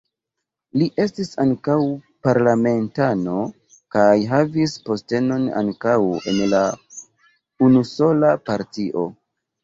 Li estis ankaŭ parlamentano kaj havis postenon ankaŭ en la unusola partio.